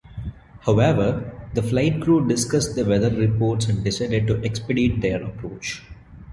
However, the flight crew discussed the weather reports and decided to expedite their approach.